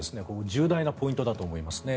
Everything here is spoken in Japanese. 重大なポイントだと思います。